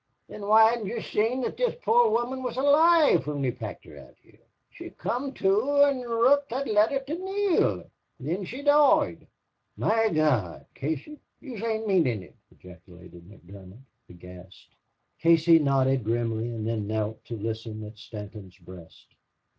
"Thin why hedn't yez seen thot this poor woman was alive whin we packed her out here? She come to an' writ thot letter to Neale thin she doied!" "My Gawd! Casey, yez ain't meanin' ut!" ejaculated McDermott, aghast. Casey nodded grimly, and then he knelt to listen at Stanton's breast.